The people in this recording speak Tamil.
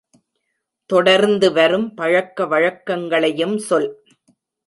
தொடர்ந்துவரும் பழக்க வழக்கங்களையும் சொல்